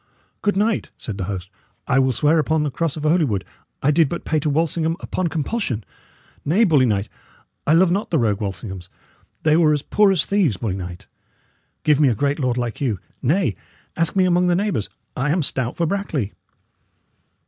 "Good knight," said the host, "I will swear upon the cross of Holywood I did but pay to Walsingham upon compulsion. Nay, bully knight, I love not the rogue Walsinghams; they were as poor as thieves, bully knight. Give me a great lord like you. Nay; ask me among the neighbours, I am stout for Brackley."